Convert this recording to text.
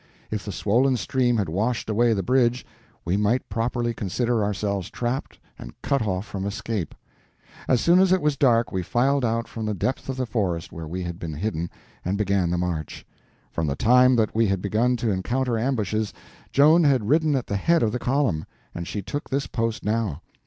If the swollen stream had washed away the bridge, we might properly consider ourselves trapped and cut off from escape. As soon as it was dark we filed out from the depth of the forest where we had been hidden and began the march. From the time that we had begun to encounter ambushes Joan had ridden at the head of the column, and she took this post now.